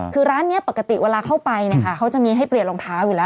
คือร้านนี้ปกติเวลาเข้าไปเนี่ยค่ะเขาจะมีให้เปลี่ยนรองเท้าอยู่แล้ว